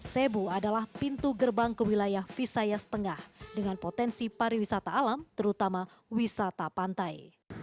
sebu adalah pintu gerbang ke wilayah visayas tengah dengan potensi pariwisata alam terutama wisata pantai